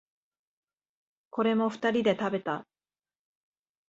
これも二人で食べた。